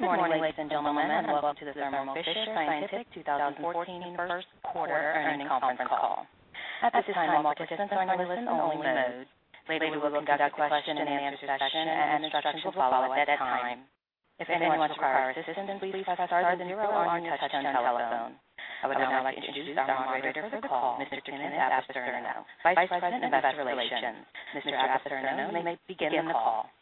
Good morning, ladies and gentlemen, and welcome to the Thermo Fisher Scientific 2014 first quarter earnings conference call. At this time, all participants are in a listen only mode. Later, we will conduct a question and answer session, and instructions will follow at that time. If anyone requires assistance, please press star zero on your touch-tone telephone. I would now like to introduce our moderator for the call, Mr. Ken Apicerno, Vice President of Investor Relations. Mr. Apicerno, you may begin the call.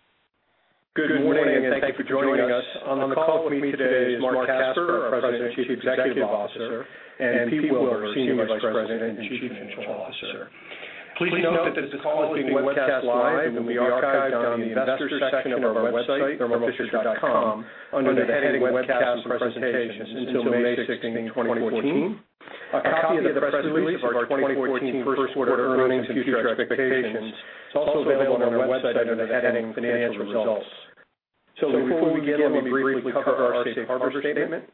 Good morning, and thank you for joining us. On the call with me today is Marc Casper, our President and Chief Executive Officer, and Peter Wilver, Senior Vice President and Chief Financial Officer. Please note that this call is being webcast live and will be archived on the investor section of our website, thermofisher.com, under the heading Webcasts and Presentations until May 16th, 2014. A copy of the press release of our 2014 first quarter earnings and future expectations is also available on our website under the heading Financial Results. Before we begin, let me briefly cover our safe harbor statement.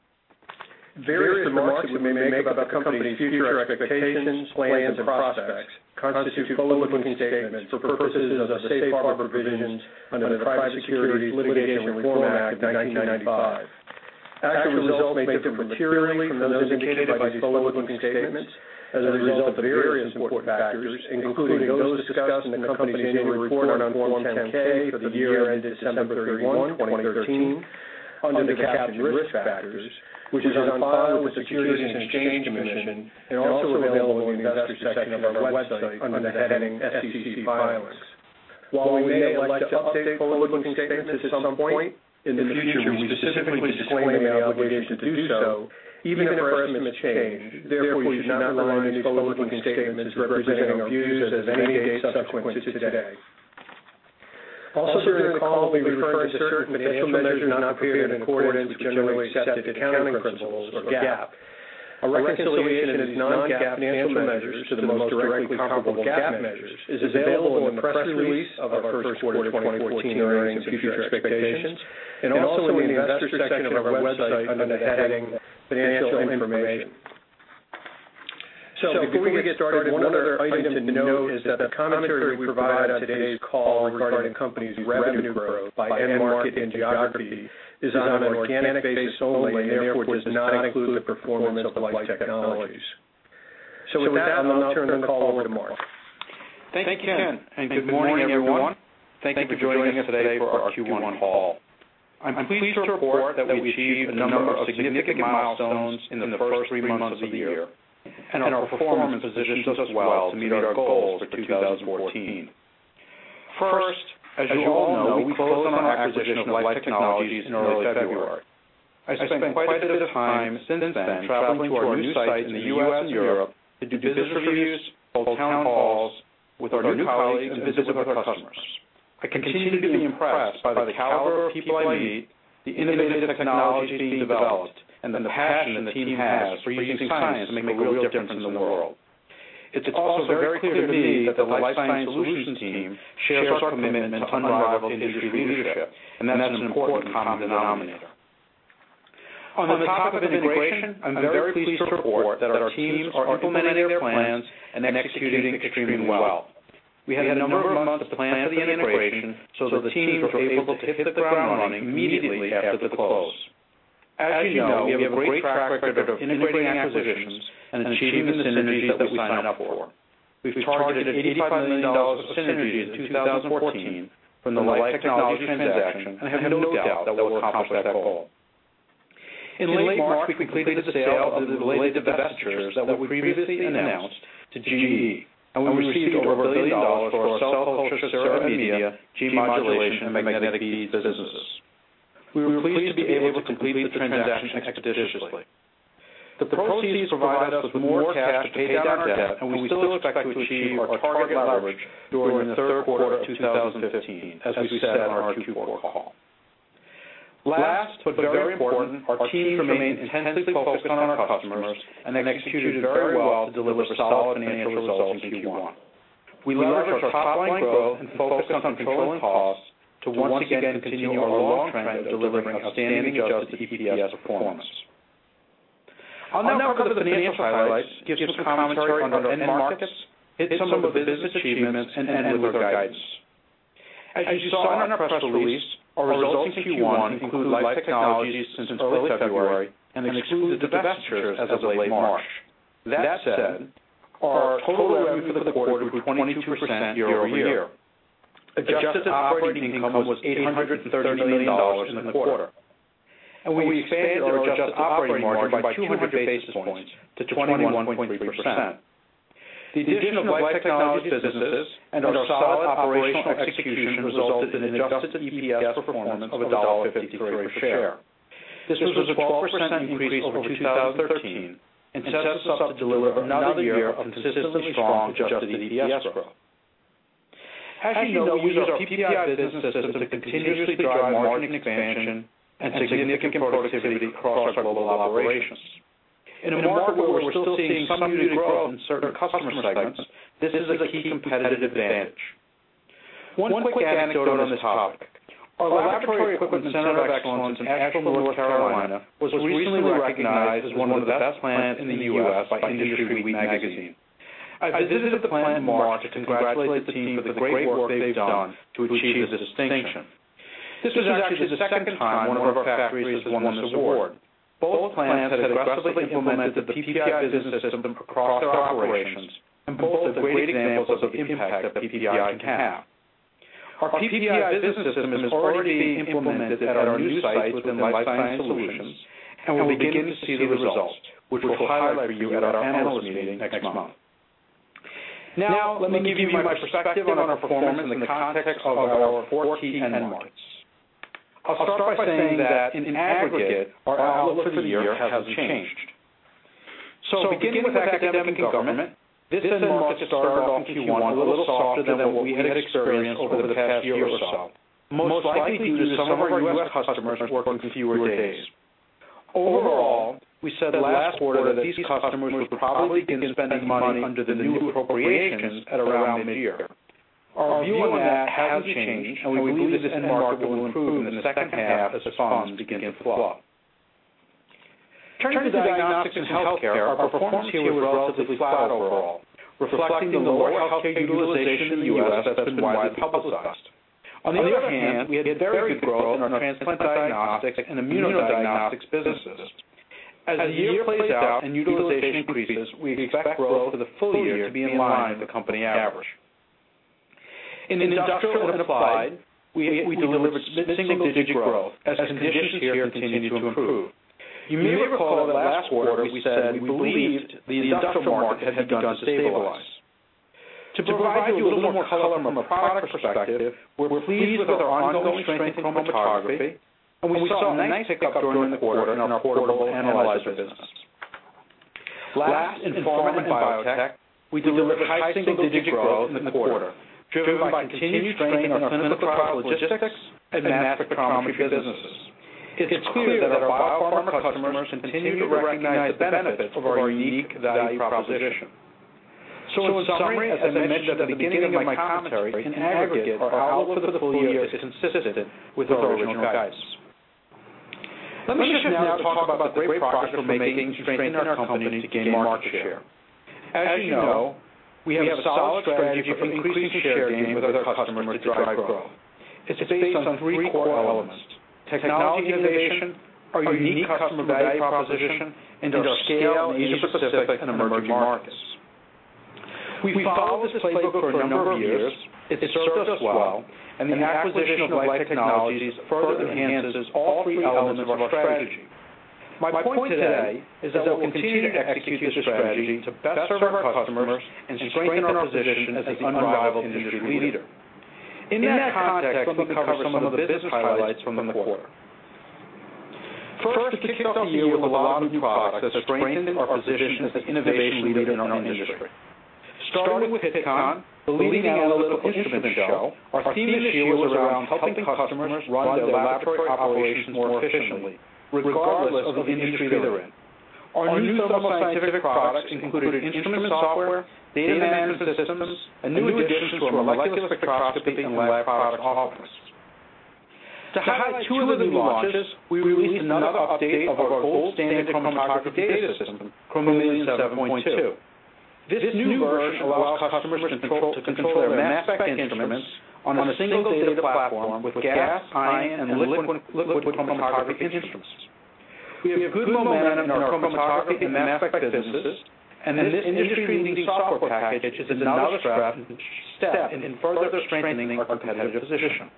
Various remarks that we may make about the company's future expectations, plans, and prospects constitute forward-looking statements for purposes of the safe harbor provisions under the Private Securities Litigation Reform Act of 1995. Actual results may differ materially from those indicated by these forward-looking statements as a result of various important factors, including those discussed in the company's annual report on Form 10-K for the year ended December 31, 2013, under the caption Risk Factors, which is on file with the Securities and Exchange Commission and also available on the investor section of our website under the heading SEC Filings. While we may elect to update forward-looking statements at some point in the future, we specifically disclaim any obligation to do so, even if our estimates change. Therefore, you should not rely on any forward-looking statements as representing our views as of any date subsequent to today. Also, during the call, we refer to certain financial measures not prepared in accordance with generally accepted accounting principles or GAAP. A reconciliation of these non-GAAP financial measures to the most directly comparable GAAP measures is available in the press release of our first quarter 2014 earnings and future expectations, and also in the investor section of our website under the heading Financial Information. Before we get started, one other item to note is that the commentary we provide on today's call regarding the company's revenue growth by end market and geography is on an organic basis only and therefore does not include the performance of Life Technologies. With that, I'll now turn the call over to Marc. Thank you, Ken, and good morning, everyone. Thank you for joining us today for our Q1 call. I am pleased to report that we achieved a number of significant milestones in the first three months of the year, and our performance positions us well to meet our goals for 2014. First, as you all know, we closed on our acquisition of Life Technologies in early February. I spent quite a bit of time since then traveling to our new sites in the U.S. and Europe to do visitor reviews, hold town halls with our new colleagues, and visit with our customers. I continue to be impressed by the caliber of people I meet, the innovative technologies being developed, and the passion the team has for using science to make a real difference in the world. It is also very clear to me that the Life Science Solutions team shares our commitment to unrivaled industry leadership, and that is an important common denominator. On the topic of integration, I am very pleased to report that our teams are implementing their plans and executing extremely well. We had a number of months to plan for the integration so the teams were able to hit the ground running immediately after the close. As you know, we have a great track record of integrating acquisitions and achieving the synergies that we sign up for. We have targeted $85 million of synergies in 2014 from the Life Technologies transaction and have no doubt that we will accomplish that goal. In late March, we completed the sale of the related divestitures that we previously announced to GE. We received over a billion dollars for our cell culture, serum and media, gene modulation, and magnetic beads businesses. We were pleased to be able to complete the transaction expeditiously. The proceeds provided us with more cash to pay down our debt. We still expect to achieve our target leverage during the third quarter of 2015, as we said on our Q4 call. Last, very important, our teams remained intensely focused on our customers and executed very well to deliver solid financial results in Q1. We leveraged our top-line growth and focused on controlling costs to once again continue our long trend of delivering outstanding adjusted EPS performance. I will now go over the financial highlights, give some commentary on our end markets, hit some of the business achievements, and end with our guidance. As you saw in our press release, our results in Q1 include Life Technologies since early February and exclude the divestitures as of late March. That said, our total revenue for the quarter grew 22% year-over-year. Adjusted operating income was $830 million in the quarter. We expanded our adjusted operating margin by 200 basis points to 21.3%. The addition of Life Technologies businesses and our solid operational execution resulted in adjusted EPS performance of $1.53 per share. This was a 12% increase over 2013 and sets us up to deliver another year of consistently strong adjusted EPS growth. As you know, we use our PPI business system to continuously drive margin expansion and significant productivity across our global operations. In a market where we're still seeing some new growth in certain customer segments, this is a key competitive advantage. One quick anecdote on this topic. Our laboratory equipment center of excellence in Asheville, North Carolina, was recently recognized as one of the best plants in the U.S. by IndustryWeek magazine. I visited the plant in March to congratulate the team for the great work they've done to achieve this distinction. This is actually the second time one of our factories has won this award. Both plants had aggressively implemented the PPI business system across their operations. Both are great examples of the impact that PPI can have. Our PPI business system is already being implemented at our new sites within Life Sciences Solutions. We're beginning to see the results, which we'll highlight for you at our analyst meeting next month. Let me give you my perspective on our performance in the context of our four key end markets. I'll start by saying that in aggregate, our outlook for the year hasn't changed. Beginning with academic and government, this end market started off in Q1 a little softer than what we had experienced over the past year or so, most likely due to some of our U.S. customers working fewer days. Overall, we said last quarter that these customers would probably begin spending money under the new appropriations at around mid-year. Our view on that hasn't changed. We believe this end market will improve in the second half as funds begin to flow. Turning to diagnostics and healthcare, our performance here was relatively flat overall, reflecting the lower healthcare utilization in the U.S. that's been widely publicized. On the other hand, we had very good growth in our transplant diagnostics and immuno diagnostics businesses. As the year plays out and utilization increases, we expect growth for the full year to be in line with the company average. In industrial and applied, we delivered single-digit growth as conditions here continue to improve. You may recall that last quarter we said we believed the industrial market had begun to stabilize. To provide you with a little more color from a product perspective, we're pleased with our ongoing strength in chromatography. We saw a nice pickup during the quarter in our portable analyzer business. Last, in pharma and biotech, we delivered high single-digit growth in the quarter, driven by continued strength in our clinical product logistics and mass spectrometry businesses. It's clear that our biopharma customers continue to recognize the benefits of our unique value proposition. In summary, as I mentioned at the beginning of my commentary, in aggregate, our outlook for the full year is consistent with our original guidance. Let me shift now to talk about the great progress we're making to strengthen our company to gain market share. As you know, we have a solid strategy for increasing share gain with our customers to drive growth. It's based on three core elements: technology innovation, our unique customer value proposition, and our scale in Asia Pacific and emerging markets. We've followed this playbook for a number of years. It served us well. The acquisition of Life Technologies further enhances all three elements of our strategy. My point today is that we'll continue to execute this strategy to best serve our customers and strengthen our position as the unrivaled industry leader. In that context, let me cover some of the business highlights from the quarter. First, we kicked off the year with a lot of new products that strengthened our position as the innovation leader in our industry. Starting with Pittcon, the leading analytical instrument show, our theme this year was around helping customers run their laboratory operations more efficiently, regardless of the industry they're in. Our new Thermo Scientific products included instrument software, data management systems, and new additions to our molecular spectroscopy and lab products offerings. To highlight two of the new launches, we released another update of our gold standard chromatography data system, Chromeleon 7.2. This new version allows customers to control their mass spec instruments on a single data platform with gas, ion, and liquid chromatography instruments. We have good momentum in our chromatography and mass spec businesses. This industry-leading software package is another step in further strengthening our competitive position.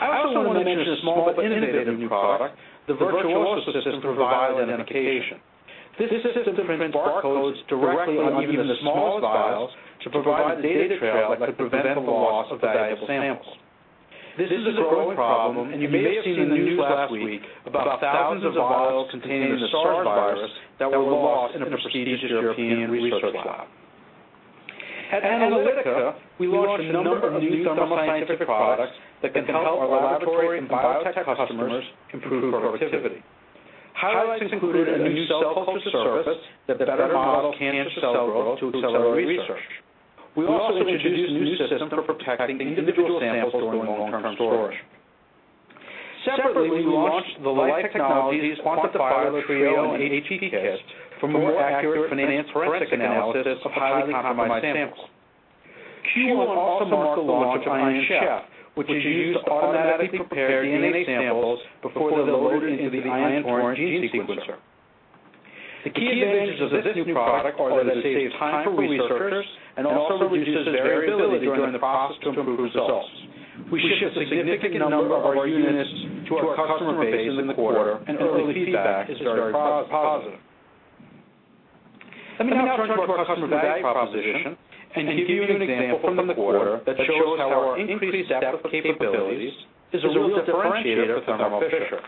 I also want to mention a small but innovative new product, the Virtuoso System for vial identification. This system prints barcodes directly on even the smallest vials to provide a data trail that could prevent the loss of valuable samples. This is a growing problem, and you may have seen the news last week about thousands of vials containing the SARS virus that were lost in a prestigious European research lab. At analytica, we launched a number of new Thermo Scientific products that can help our laboratory and biotech customers improve productivity. Highlights included a new cell culture surface that better models cancer cell growth to accelerate research. We also introduced a new system for protecting individual samples during long-term storage. Separately, we launched the Life Technologies Quantifiler Trio and HP Kit for more accurate forensic analysis of highly compromised samples. Q1 also marked the launch of Ion Chef, which is used to automatically prepare DNA samples before they're loaded into the Ion Torrent gene sequencer. The key advantages of this new product are that it saves time for researchers and also reduces variability during the process to improve results. We shipped a significant number of our units to our customer base in the quarter, and early feedback is very positive. Let me now turn to our customer value proposition and give you an example from the quarter that shows how our increased depth of capabilities is a real differentiator for Thermo Fisher.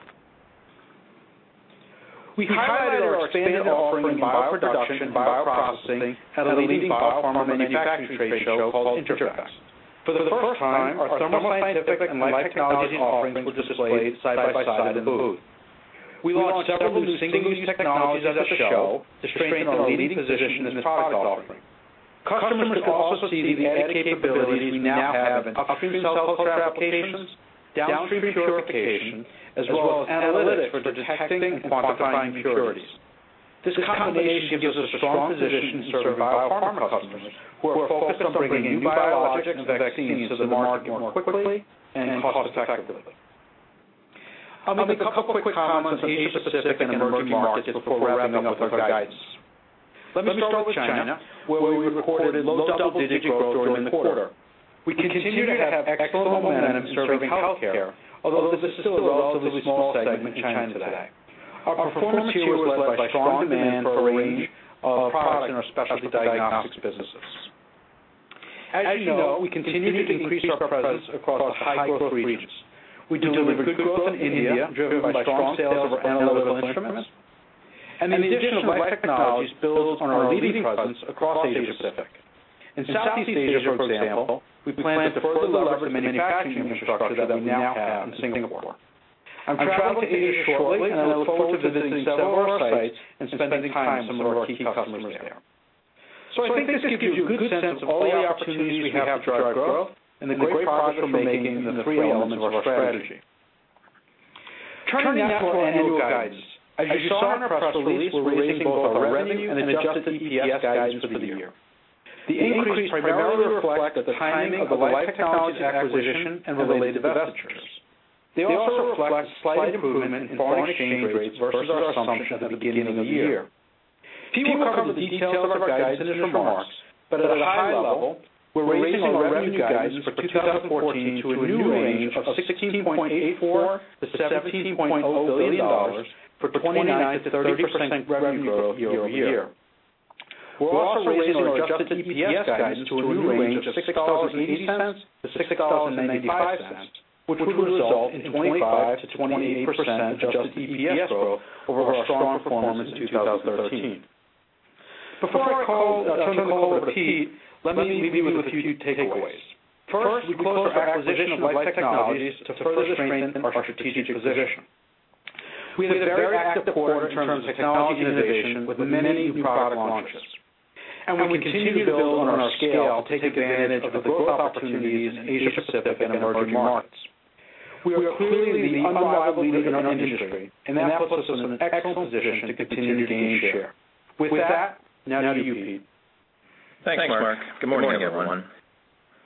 We highlighted our expanded offering in bioproduction and bioprocessing at a leading biopharma manufacturing trade show called INTERPHEX. For the first time, our Thermo Scientific and Life Technologies offerings were displayed side by side in the booth. We launched several new single-use technologies at the show to strengthen our leading position in this product offering. Customers will also see the added capabilities we now have in upstream cell culture applications, downstream purification, as well as analytics for detecting and quantifying impurities. This combination gives us a strong position serving biopharma customers who are focused on bringing new biologics and vaccines to the market more quickly and cost-effectively. I'll make a couple quick comments on Asia Pacific and emerging markets before wrapping up with our guidance. Let me start with China, where we recorded low double-digit growth during the quarter. We continue to have excellent momentum serving healthcare, although this is still a relatively small segment in China today. Our performance here was led by strong demand for a range of products in our Specialty Diagnostics businesses. As you know, we continue to increase our presence across high-growth regions. We delivered good growth in India, driven by strong sales of our analytical instruments, and the addition of Life Technologies builds on our leading presence across Asia Pacific. In Southeast Asia, for example, we plan to further leverage the manufacturing infrastructure that we now have in Singapore. I'm traveling to Asia shortly, and I look forward to visiting several of our sites and spending time with some of our key customers there. I think this gives you a good sense of all the opportunities we have to drive growth and the great progress we're making in the three elements of our strategy. Turning now to our annual guidance. As you saw in our press release, we're raising both our revenue and adjusted EPS guidance for the year. The increase primarily reflects the timing of the Life Technologies acquisition and related divestitures. They also reflect a slight improvement in foreign exchange rates versus our assumption at the beginning of the year. Pete will cover the details of our guidance in his remarks, but at a high level, we're raising our revenue guidance for 2014 to a new range of $16.84 billion-$17.0 billion, for 29%-30% revenue growth year-over-year. We're also raising our adjusted EPS guidance to a new range of $6.80-$6.95, which would result in 25%-28% adjusted EPS growth over our strong performance in 2013. Before I turn the call over to Pete, let me leave you with a few takeaways. First, we closed our acquisition of Life Technologies to further strengthen our strategic position. We had a very active quarter in terms of technology innovation with many new product launches, and we continue to build on our scale to take advantage of the growth opportunities in Asia Pacific and emerging markets. We are clearly the unrivaled leader in our industry, and that puts us in an excellent position to continue to gain share. With that, now to you, Pete. Thanks, Mark. Good morning, everyone.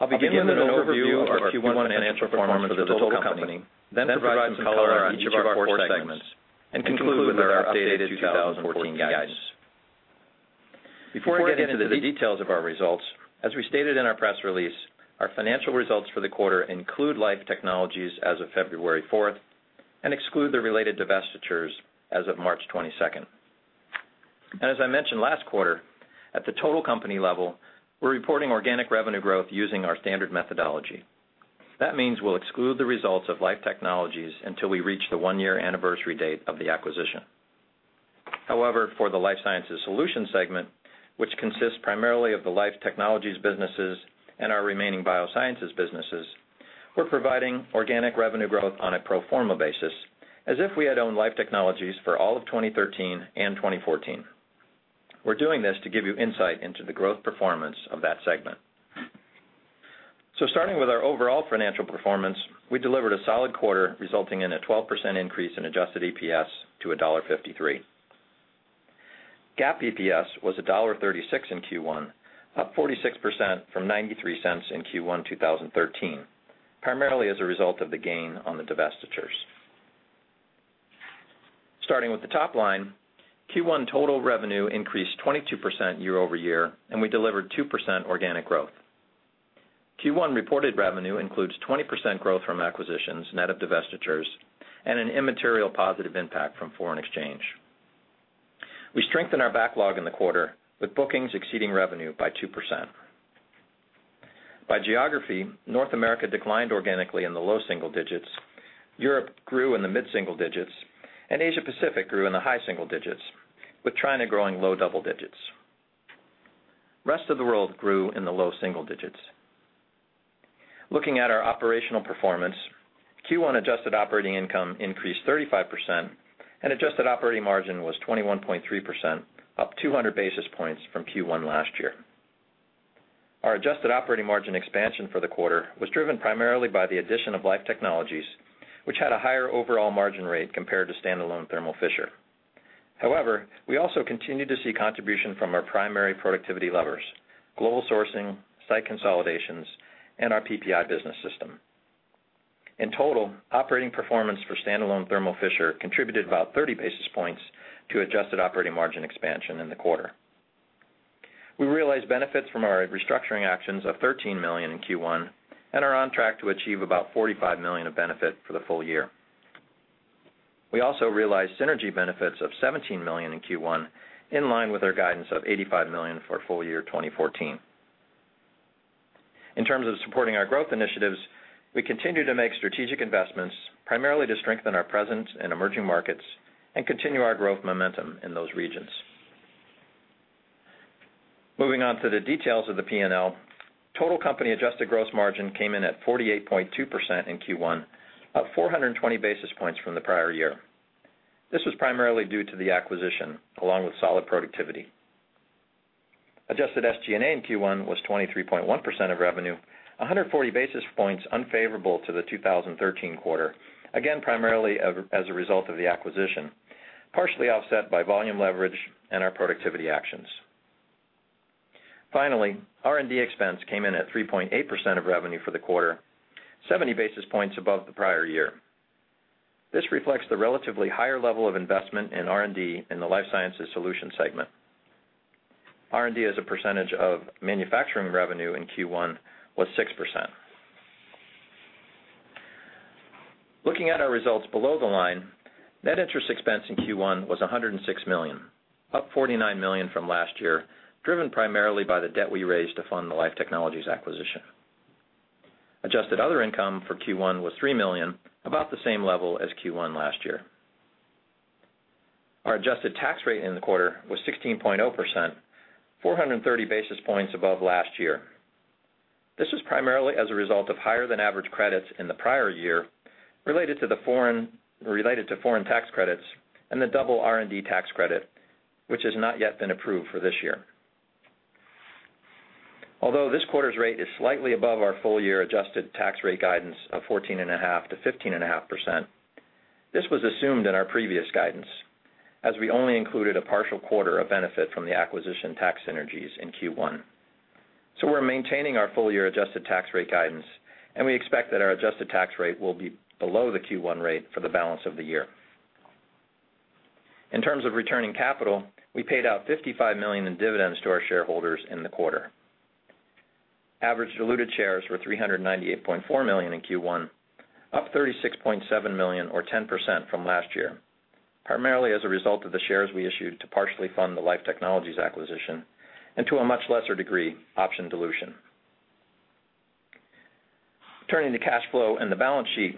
I'll begin with an overview of our Q1 financial performance of the total company, then provide some color on each of our core segments and conclude with our updated 2014 guidance. Before getting into the details of our results, as we stated in our press release, our financial results for the quarter include Life Technologies as of February fourth and exclude the related divestitures as of March twenty-second. As I mentioned last quarter, at the total company level, we're reporting organic revenue growth using our standard methodology. That means we'll exclude the results of Life Technologies until we reach the one-year anniversary date of the acquisition. For the Life Sciences Solutions segment, which consists primarily of the Life Technologies businesses and our remaining biosciences businesses, we're providing organic revenue growth on a pro forma basis, as if we had owned Life Technologies for all of 2013 and 2014. We're doing this to give you insight into the growth performance of that segment. Starting with our overall financial performance, we delivered a solid quarter, resulting in a 12% increase in adjusted EPS to $1.53. GAAP EPS was $1.36 in Q1, up 46% from $0.93 in Q1 2013, primarily as a result of the gain on the divestitures. Starting with the top line, Q1 total revenue increased 22% year-over-year, and we delivered 2% organic growth. Q1 reported revenue includes 20% growth from acquisitions net of divestitures and an immaterial positive impact from foreign exchange. We strengthened our backlog in the quarter with bookings exceeding revenue by 2%. By geography, North America declined organically in the low single digits. Europe grew in the mid-single digits, and Asia Pacific grew in the high single digits, with China growing low double digits. Rest of the world grew in the low single digits. Looking at our operational performance, Q1 adjusted operating income increased 35%, and adjusted operating margin was 21.3%, up 200 basis points from Q1 last year. Our adjusted operating margin expansion for the quarter was driven primarily by the addition of Life Technologies, which had a higher overall margin rate compared to standalone Thermo Fisher. We also continue to see contribution from our primary productivity levers: global sourcing, site consolidations, and our PPI business system. In total, operating performance for standalone Thermo Fisher contributed about 30 basis points to adjusted operating margin expansion in the quarter. We realized benefits from our restructuring actions of $13 million in Q1 and are on track to achieve about $45 million of benefit for the full year. We also realized synergy benefits of $17 million in Q1, in line with our guidance of $85 million for full year 2014. In terms of supporting our growth initiatives, we continue to make strategic investments primarily to strengthen our presence in emerging markets and continue our growth momentum in those regions. Moving on to the details of the P&L, total company adjusted gross margin came in at 48.2% in Q1, up 420 basis points from the prior year. This was primarily due to the acquisition, along with solid productivity. Adjusted SG&A in Q1 was 23.1% of revenue, 140 basis points unfavorable to the 2013 quarter, again, primarily as a result of the acquisition, partially offset by volume leverage and our productivity actions. R&D expense came in at 3.8% of revenue for the quarter, 70 basis points above the prior year. This reflects the relatively higher level of investment in R&D in the Life Sciences Solutions segment. R&D as a percentage of manufacturing revenue in Q1 was 6%. Looking at our results below the line, net interest expense in Q1 was $106 million, up $49 million from last year, driven primarily by the debt we raised to fund the Life Technologies acquisition. Adjusted other income for Q1 was $3 million, about the same level as Q1 last year. Our adjusted tax rate in the quarter was 16.0%, 430 basis points above last year. This was primarily as a result of higher than average credits in the prior year related to foreign tax credits and the double R&D tax credit, which has not yet been approved for this year. Although this quarter's rate is slightly above our full-year adjusted tax rate guidance of 14.5%-15.5%, this was assumed in our previous guidance, as we only included a partial quarter of benefit from the acquisition tax synergies in Q1. We're maintaining our full-year adjusted tax rate guidance, and we expect that our adjusted tax rate will be below the Q1 rate for the balance of the year. In terms of returning capital, we paid out $55 million in dividends to our shareholders in the quarter. Average diluted shares were 398.4 million in Q1, up 36.7 million or 10% from last year, primarily as a result of the shares we issued to partially fund the Life Technologies acquisition and, to a much lesser degree, option dilution. Turning to cash flow and the balance sheet,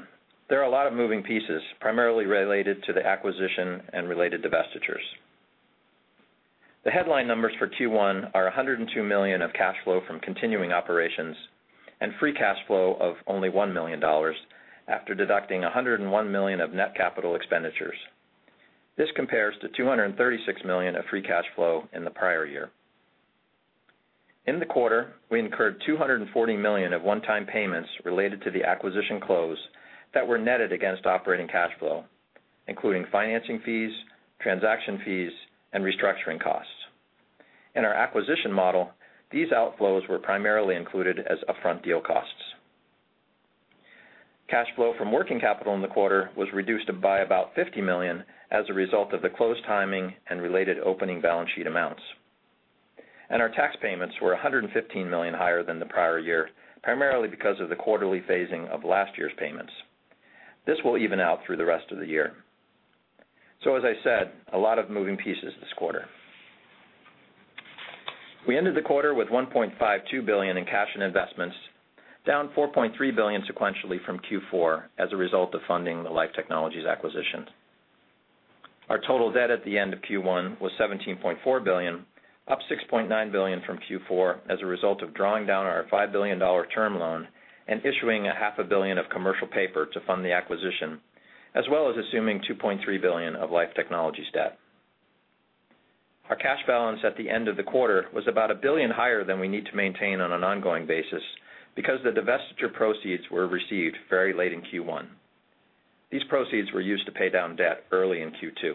there are a lot of moving pieces, primarily related to the acquisition and related divestitures. The headline numbers for Q1 are $102 million of cash flow from continuing operations and free cash flow of only $1 million after deducting $101 million of net capital expenditures. This compares to $236 million of free cash flow in the prior year. In the quarter, we incurred $240 million of one-time payments related to the acquisition close that were netted against operating cash flow, including financing fees, transaction fees, and restructuring costs. In our acquisition model, these outflows were primarily included as upfront deal costs. Cash flow from working capital in the quarter was reduced by about $50 million as a result of the close timing and related opening balance sheet amounts. Our tax payments were $115 million higher than the prior year, primarily because of the quarterly phasing of last year's payments. This will even out through the rest of the year. As I said, a lot of moving pieces this quarter. We ended the quarter with $1.52 billion in cash and investments, down $4.3 billion sequentially from Q4 as a result of funding the Life Technologies acquisition. Our total debt at the end of Q1 was $17.4 billion, up $6.9 billion from Q4 as a result of drawing down our $5 billion term loan and issuing a half a billion of commercial paper to fund the acquisition, as well as assuming $2.3 billion of Life Technologies debt. Our cash balance at the end of the quarter was about a billion higher than we need to maintain on an ongoing basis because the divestiture proceeds were received very late in Q1. These proceeds were used to pay down debt early in Q2.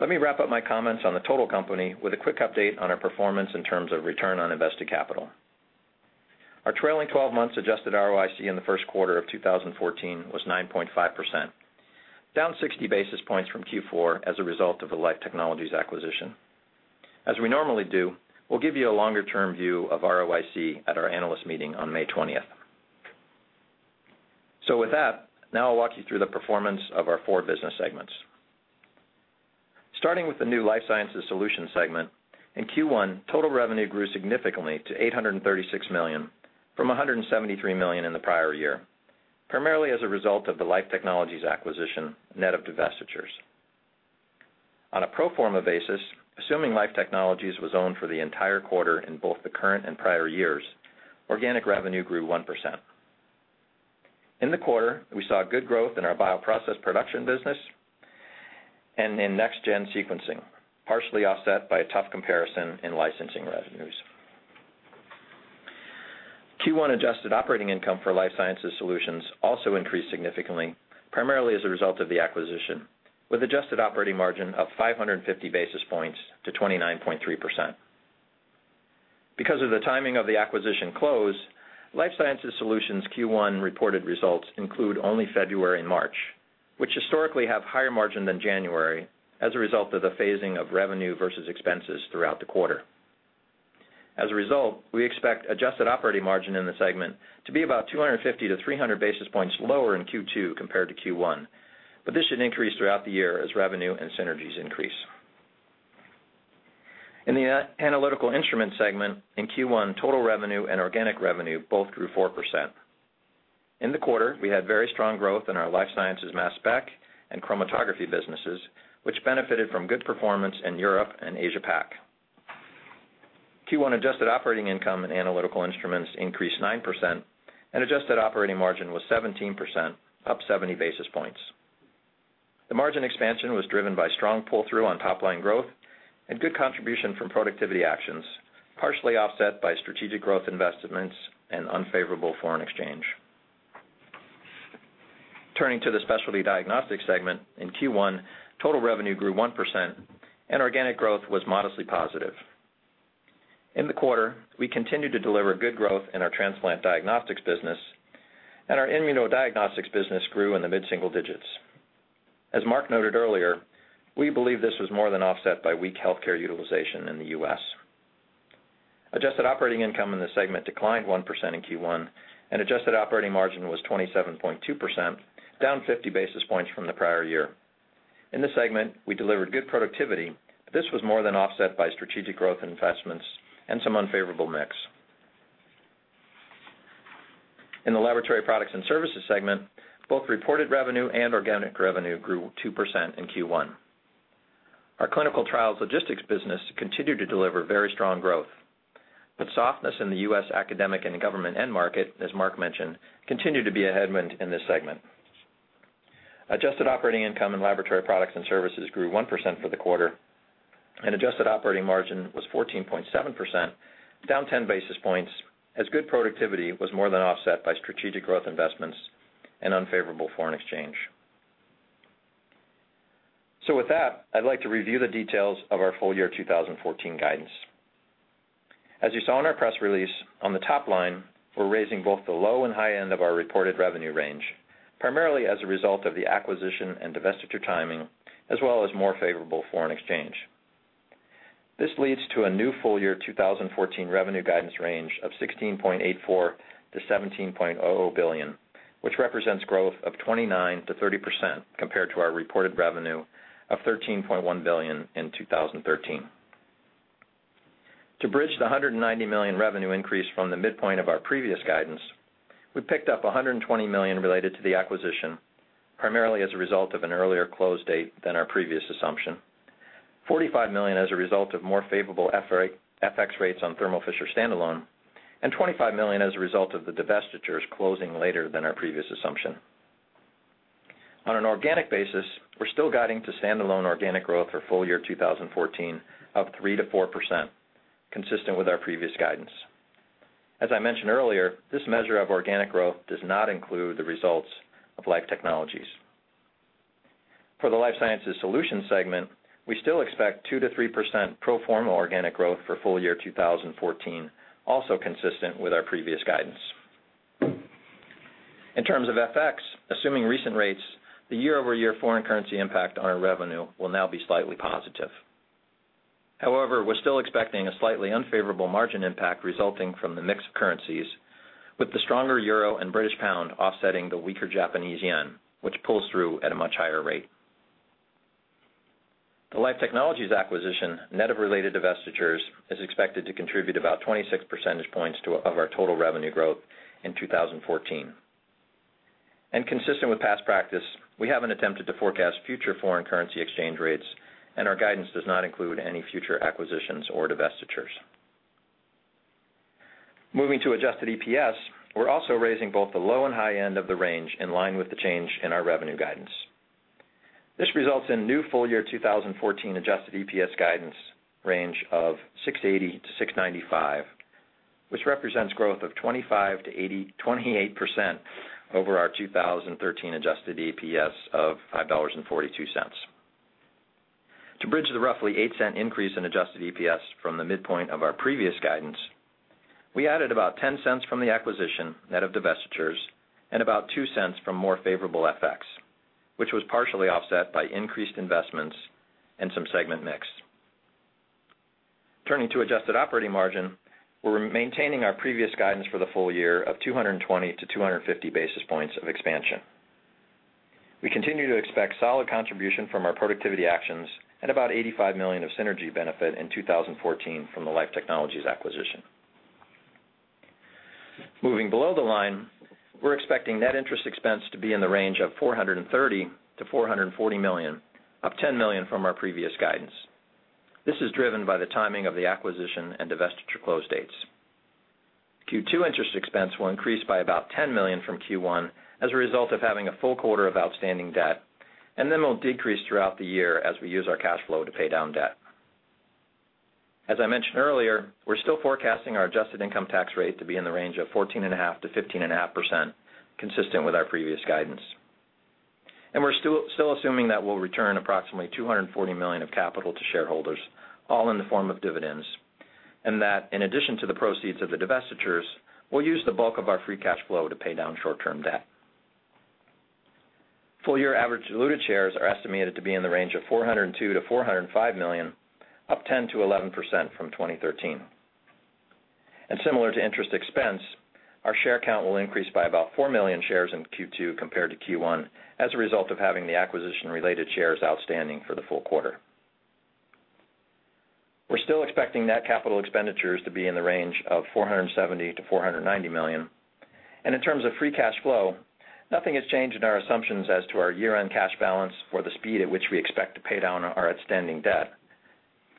Let me wrap up my comments on the total company with a quick update on our performance in terms of return on invested capital. Our trailing 12 months adjusted ROIC in the first quarter of 2014 was 9.5%, down 60 basis points from Q4 as a result of the Life Technologies acquisition. As we normally do, we'll give you a longer-term view of ROIC at our analyst meeting on May 20th. With that, now I'll walk you through the performance of our four business segments. Starting with the new Life Sciences Solutions segment, in Q1, total revenue grew significantly to $836 million from $173 million in the prior year, primarily as a result of the Life Technologies acquisition net of divestitures. On a pro forma basis, assuming Life Technologies was owned for the entire quarter in both the current and prior years, organic revenue grew 1%. In the quarter, we saw good growth in our bioprocess production business and in next-gen sequencing, partially offset by a tough comparison in licensing revenues. Q1 adjusted operating income for Life Sciences Solutions also increased significantly, primarily as a result of the acquisition, with adjusted operating margin up 550 basis points to 29.3%. Because of the timing of the acquisition close, Life Sciences Solutions' Q1 reported results include only February and March, which historically have higher margin than January as a result of the phasing of revenue versus expenses throughout the quarter. As a result, we expect adjusted operating margin in the segment to be about 250-300 basis points lower in Q2 compared to Q1, but this should increase throughout the year as revenue and synergies increase. In the Analytical Instruments segment, in Q1, total revenue and organic revenue both grew 4%. In the quarter, we had very strong growth in our Life Sciences mass spec and chromatography businesses, which benefited from good performance in Europe and Asia Pac. Q1 adjusted operating income in Analytical Instruments increased 9%, and adjusted operating margin was 17%, up 70 basis points. The margin expansion was driven by strong pull-through on top-line growth and good contribution from productivity actions, partially offset by strategic growth investments and unfavorable foreign exchange. Turning to the Specialty Diagnostics segment, in Q1, total revenue grew 1%, and organic growth was modestly positive. In the quarter, we continued to deliver good growth in our transplant diagnostics business, and our immunodiagnostics business grew in the mid-single digits. As Marc noted earlier, we believe this was more than offset by weak healthcare utilization in the U.S. Adjusted operating income in the segment declined 1% in Q1, and adjusted operating margin was 27.2%, down 50 basis points from the prior year. In this segment, we delivered good productivity, but this was more than offset by strategic growth investments and some unfavorable mix. In the Laboratory Products and Services segment, both reported revenue and organic revenue grew 2% in Q1. Our clinical trials logistics business continued to deliver very strong growth, but softness in the U.S. academic and government end market, as Marc mentioned, continued to be a headwind in this segment. Adjusted operating income in Laboratory Products and Services grew 1% for the quarter, and adjusted operating margin was 14.7%, down 10 basis points, as good productivity was more than offset by strategic growth investments and unfavorable foreign exchange. With that, I'd like to review the details of our full year 2014 guidance. As you saw in our press release, on the top line, we're raising both the low and high end of our reported revenue range, primarily as a result of the acquisition and divestiture timing, as well as more favorable foreign exchange. This leads to a new full-year 2014 revenue guidance range of $16.84 billion-$17.00 billion, which represents growth of 29%-30% compared to our reported revenue of $13.1 billion in 2013. To bridge the $190 million revenue increase from the midpoint of our previous guidance, we picked up $120 million related to the acquisition, primarily as a result of an earlier close date than our previous assumption, $45 million as a result of more favorable FX rates on Thermo Fisher standalone, and $25 million as a result of the divestitures closing later than our previous assumption. On an organic basis, we're still guiding to standalone organic growth for full year 2014 up 3%-4%, consistent with our previous guidance. As I mentioned earlier, this measure of organic growth does not include the results of Life Technologies. For the Life Sciences Solutions segment, we still expect 2%-3% pro forma organic growth for full year 2014, also consistent with our previous guidance. In terms of FX, assuming recent rates, the year-over-year foreign currency impact on our revenue will now be slightly positive. However, we're still expecting a slightly unfavorable margin impact resulting from the mix of currencies, with the stronger euro and British pound offsetting the weaker Japanese yen, which pulls through at a much higher rate. The Life Technologies acquisition, net of related divestitures, is expected to contribute about 26 percentage points of our total revenue growth in 2014. Consistent with past practice, we haven't attempted to forecast future foreign currency exchange rates, and our guidance does not include any future acquisitions or divestitures. Moving to adjusted EPS, we're also raising both the low and high end of the range in line with the change in our revenue guidance. This results in new full-year 2014 adjusted EPS guidance range of $6.80-$6.95, which represents growth of 25%-28% over our 2013 adjusted EPS of $5.42. To bridge the roughly $0.08 increase in adjusted EPS from the midpoint of our previous guidance, we added about $0.10 from the acquisition, net of divestitures, and about $0.02 from more favorable FX, which was partially offset by increased investments and some segment mix. Turning to adjusted operating margin, we're maintaining our previous guidance for the full year of 220-250 basis points of expansion. We continue to expect solid contribution from our productivity actions and about $85 million of synergy benefit in 2014 from the Life Technologies acquisition. Moving below the line, we're expecting net interest expense to be in the range of $430 million-$440 million, up $10 million from our previous guidance. This is driven by the timing of the acquisition and divestiture close dates. Q2 interest expense will increase by about $10 million from Q1 as a result of having a full quarter of outstanding debt, and then will decrease throughout the year as we use our cash flow to pay down debt. As I mentioned earlier, we're still forecasting our adjusted income tax rate to be in the range of 14.5%-15.5%, consistent with our previous guidance. We're still assuming that we'll return approximately $240 million of capital to shareholders, all in the form of dividends. That, in addition to the proceeds of the divestitures, we'll use the bulk of our free cash flow to pay down short-term debt. Full-year average diluted shares are estimated to be in the range of 402 to 405 million, up 10%-11% from 2013. Similar to interest expense, our share count will increase by about four million shares in Q2 compared to Q1 as a result of having the acquisition-related shares outstanding for the full quarter. We're still expecting net capital expenditures to be in the range of $470 million-$490 million. In terms of free cash flow, nothing has changed in our assumptions as to our year-end cash balance or the speed at which we expect to pay down our outstanding debt.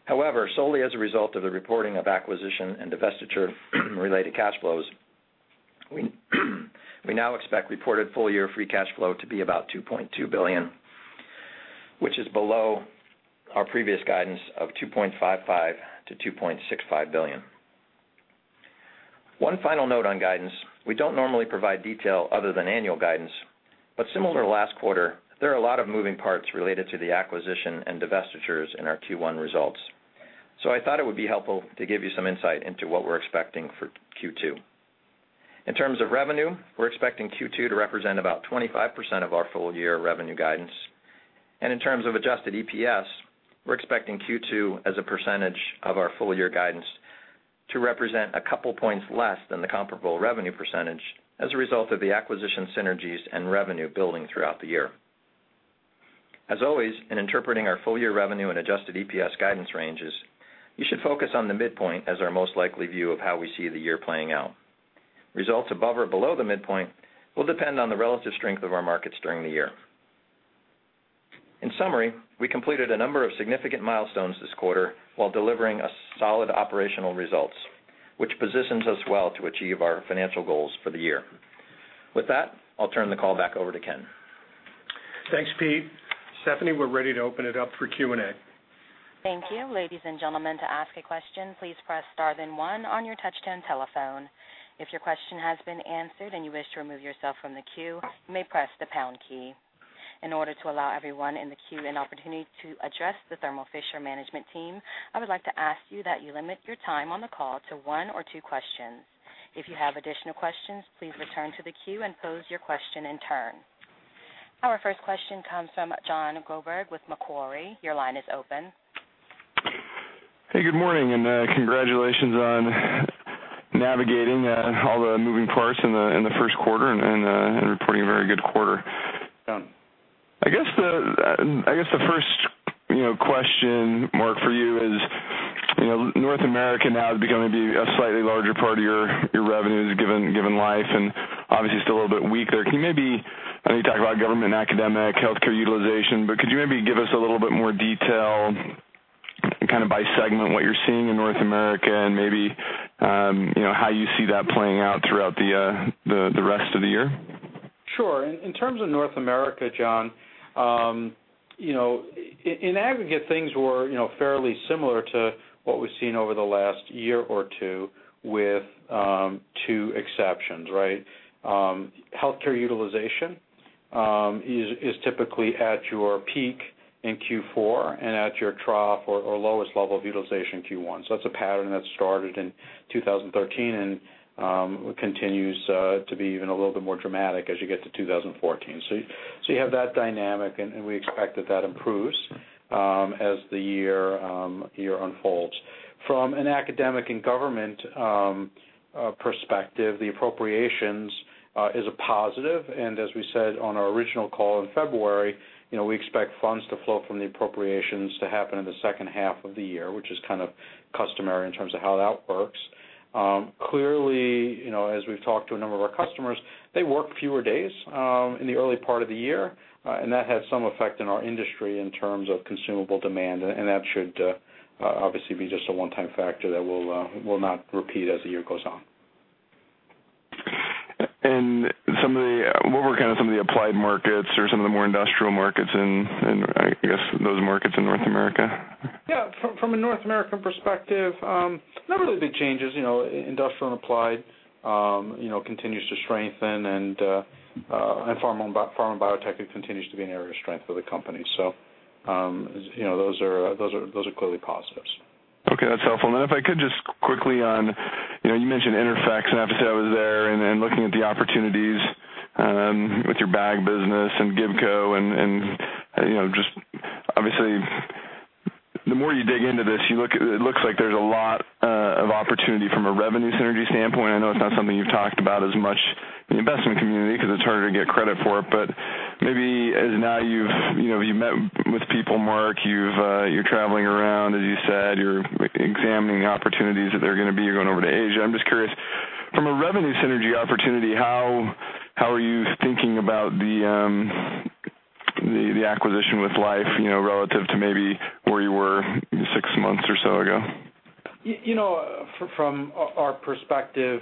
However, solely as a result of the reporting of acquisition and divestiture related cash flows, we now expect reported full-year free cash flow to be about $2.2 billion, which is below our previous guidance of $2.55 billion-$2.65 billion. One final note on guidance. We don't normally provide detail other than annual guidance, but similar to last quarter, there are a lot of moving parts related to the acquisition and divestitures in our Q1 results. I thought it would be helpful to give you some insight into what we're expecting for Q2. In terms of revenue, we're expecting Q2 to represent about 25% of our full-year revenue guidance. In terms of adjusted EPS, we're expecting Q2 as a percentage of our full-year guidance to represent a couple points less than the comparable revenue percentage as a result of the acquisition synergies and revenue building throughout the year. As always, in interpreting our full-year revenue and adjusted EPS guidance ranges, you should focus on the midpoint as our most likely view of how we see the year playing out. Results above or below the midpoint will depend on the relative strength of our markets during the year. In summary, we completed a number of significant milestones this quarter while delivering a solid operational results, which positions us well to achieve our financial goals for the year. With that, I'll turn the call back over to Ken. Thanks, Pete. Stephanie, we're ready to open it up for Q&A. Thank you. Ladies and gentlemen, to ask a question, please press star then one on your touchtone telephone. If your question has been answered and you wish to remove yourself from the queue, you may press the pound key. In order to allow everyone in the queue an opportunity to address the Thermo Fisher management team, I would like to ask you that you limit your time on the call to one or two questions. If you have additional questions, please return to the queue and pose your question in turn. Our first question comes from Jon Groberg with Macquarie. Your line is open. Hey, good morning. Congratulations on navigating all the moving parts in the first quarter and reporting a very good quarter. I guess the first question, Marc, for you is, North America now is going to be a slightly larger part of your revenues given Life and obviously still a little bit weak there. Can you maybe, I know you talk about government, academic, healthcare utilization. Could you maybe give us a little bit more detail kind of by segment, what you're seeing in North America and maybe how you see that playing out throughout the rest of the year? Sure. In terms of North America, Jon, in aggregate, things were fairly similar to what we've seen over the last year or two with two exceptions, right? Healthcare utilization is typically at your peak in Q4 and at your trough or lowest level of utilization in Q1. That's a pattern that started in 2013 and continues to be even a little bit more dramatic as you get to 2014. You have that dynamic. We expect that that improves as the year unfolds. From an academic and government perspective, the appropriations is a positive. As we said on our original call in February, we expect funds to flow from the appropriations to happen in the second half of the year, which is kind of customary in terms of how that works. Clearly, as we've talked to a number of our customers, they work fewer days in the early part of the year, and that has some effect on our industry in terms of consumable demand, and that should obviously be just a one-time factor that will not repeat as the year goes on. What were kind of some of the applied markets or some of the more industrial markets in, I guess, those markets in North America? Yeah. From a North American perspective, not really big changes. Industrial and applied continues to strengthen, and pharma and biotech continues to be an area of strength for the company. Those are clearly positives. Okay. That's helpful. If I could just quickly on, you mentioned INTERPHEX, and obviously I was there and looking at the opportunities with your bag business and Gibco and just obviously, the more you dig into this, it looks like there's a lot of opportunity from a revenue synergy standpoint. I know it's not something you've talked about as much in the investment community because it's harder to get credit for it. Maybe as now you've met with people, Marc, you're traveling around, as you said, you're examining opportunities that they're going to be. You're going over to Asia. I'm just curious, from a revenue synergy opportunity, how are you thinking about the acquisition with Life, relative to maybe where you were six months or so ago? From our perspective,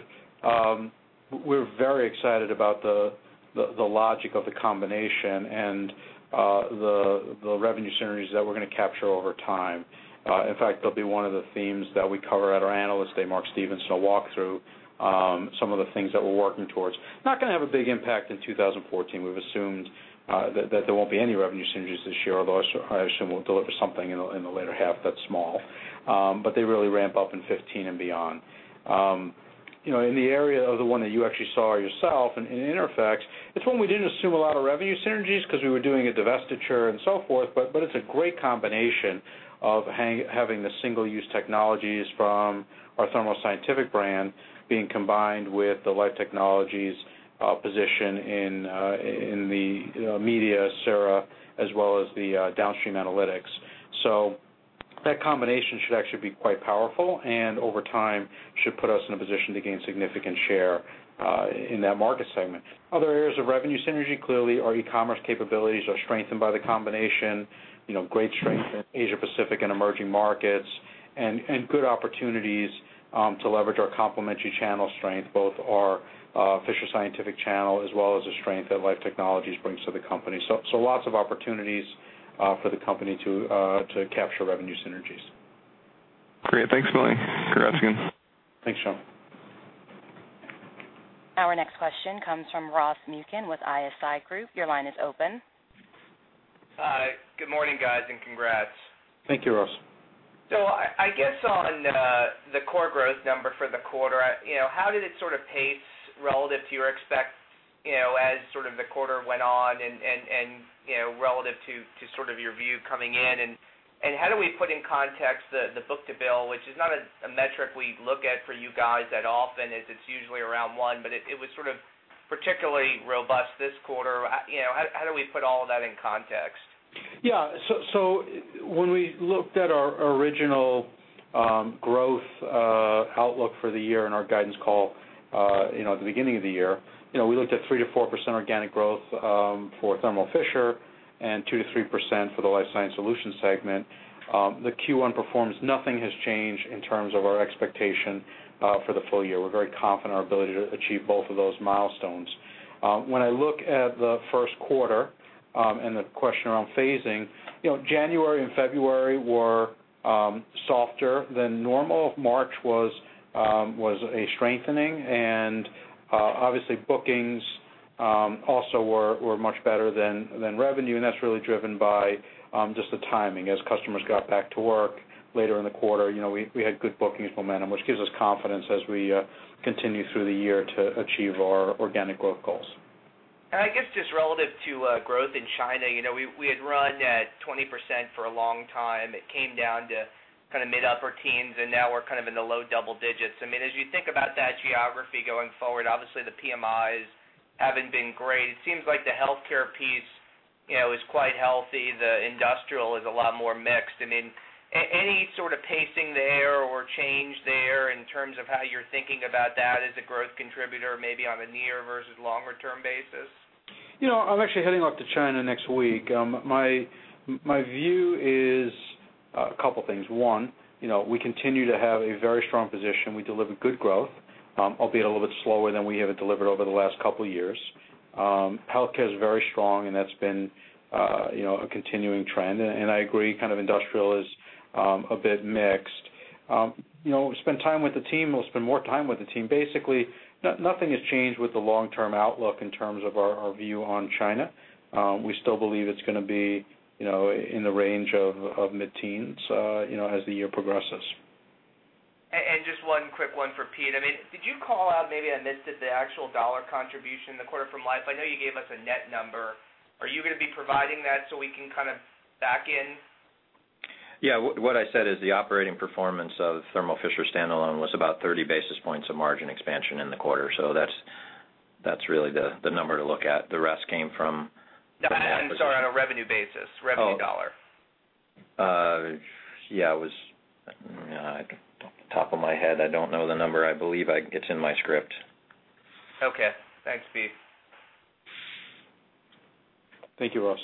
we're very excited about the logic of the combination and the revenue synergies that we're going to capture over time. In fact, they'll be one of the themes that we cover at our Analyst Day. Mark Stevenson will walk through some of the things that we're working towards. Not going to have a big impact in 2014. We've assumed that there won't be any revenue synergies this year, although I assume we'll deliver something in the later half that's small. They really ramp up in 2015 and beyond. In the area of the one that you actually saw yourself in INTERPHEX, it's one we didn't assume a lot of revenue synergies because we were doing a divestiture and so forth, but it's a great combination of having the single-use technologies from our Thermo Scientific brand being combined with the Life Technologies position in the media, sera, as well as the downstream analytics. That combination should actually be quite powerful and over time should put us in a position to gain significant share in that market segment. Other areas of revenue synergy, clearly our e-commerce capabilities are strengthened by the combination, great strength in Asia-Pacific and emerging markets, and good opportunities to leverage our complementary channel strength, both our Fisher Scientific channel as well as the strength that Life Technologies brings to the company. Lots of opportunities for the company to capture revenue synergies. Great. Thanks a million. Congrats again. Thanks, Jon. Our next question comes from Ross Muken with ISI Group. Your line is open. Hi. Good morning, guys. Congrats. Thank you, Ross. I guess on the core growth number for the quarter, how did it sort of pace relative to your expectations, as sort of the quarter went on and relative to sort of your view coming in and how do we put in context the book-to-bill, which is not a metric we look at for you guys that often as it's usually around one, but it was sort of particularly robust this quarter. How do we put all of that in context? Yeah. When we looked at our original growth outlook for the year in our guidance call at the beginning of the year, we looked at 3%-4% organic growth for Thermo Fisher and 2%-3% for the Life Sciences Solutions segment. The Q1 performance, nothing has changed in terms of our expectation for the full year. We're very confident in our ability to achieve both of those milestones. When I look at the first quarter, and the question around phasing, January and February were softer than normal. March was a strengthening. Obviously bookings also were much better than revenue, and that's really driven by just the timing. As customers got back to work later in the quarter, we had good bookings momentum, which gives us confidence as we continue through the year to achieve our organic growth goals. I guess just relative to growth in China, we had run at 20% for a long time. It came down to kind of mid upper teens, and now we're kind of in the low double digits. As you think about that geography going forward, obviously the PMI haven't been great. It seems like the healthcare piece is quite healthy. The industrial is a lot more mixed. Any sort of pacing there or change there in terms of how you're thinking about that as a growth contributor, maybe on a near versus longer-term basis? I'm actually heading off to China next week. My view is a couple things. One, we continue to have a very strong position. We deliver good growth, albeit a little bit slower than we have delivered over the last couple of years. healthcare is very strong, and that's been a continuing trend. I agree, kind of industrial is a bit mixed. We'll spend more time with the team. Basically, nothing has changed with the long-term outlook in terms of our view on China. We still believe it's going to be in the range of mid-teens as the year progresses. Just one quick one for Pete. Did you call out, maybe I missed it, the actual dollar contribution in the quarter from Life? I know you gave us a net number. Are you going to be providing that so we can kind of back in? Yeah, what I said is the operating performance of Thermo Fisher standalone was about 30 basis points of margin expansion in the quarter. That's really the number to look at. No, I'm sorry, on a revenue basis, revenue dollar. Yeah. Off the top of my head, I don't know the number. I believe it's in my script. Okay. Thanks, Pete. Thank you, Ross.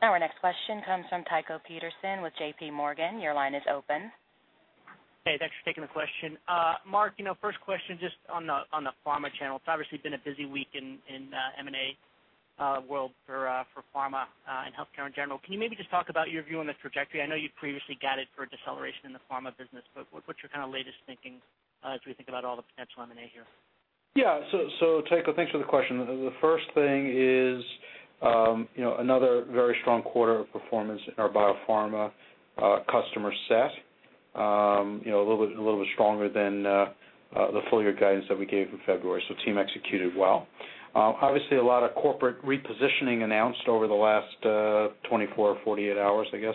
Our next question comes from Tycho Peterson with JP Morgan. Your line is open. Hey, thanks for taking the question. Marc, first question just on the pharma channel. It's obviously been a busy week in M&A world for pharma and healthcare in general. Can you maybe just talk about your view on this trajectory? I know you previously guided for a deceleration in the pharma business, but what's your kind of latest thinking as we think about all the potential M&A here? Yeah. Tycho, thanks for the question. The first thing is, another very strong quarter of performance in our biopharma customer set. A little bit stronger than the full-year guidance that we gave in February. Team executed well. Obviously a lot of corporate repositioning announced over the last 24 or 48 hours, I guess,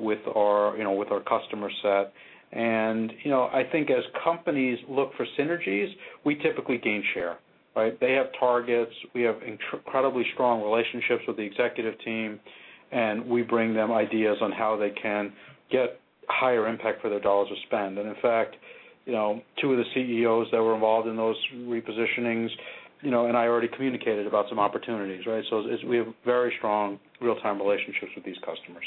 with our customer set. I think as companies look for synergies, we typically gain share, right? They have targets, we have incredibly strong relationships with the executive team, and we bring them ideas on how they can get higher impact for their dollars to spend. In fact, two of the CEOs that were involved in those repositionings and I already communicated about some opportunities, right? We have very strong real-time relationships with these customers.